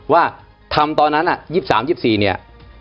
ว่าทำตอนนั้น๒๓๒๔เนี่ย